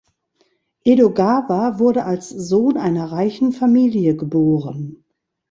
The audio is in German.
Edogawa wurde als Sohn einer reichen Familie geboren.